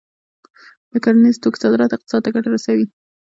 د کرنیزو توکو صادرات اقتصاد ته ګټه رسوي.